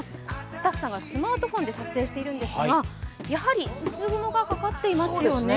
スタッフさんがスマートフォンで撮影しているんですが、やはり薄雲がかかっていますよね。